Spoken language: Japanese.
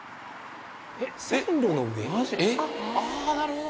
ああなるほど。